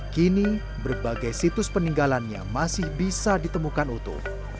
kini berbagai situs peninggalannya masih bisa ditemukan utuh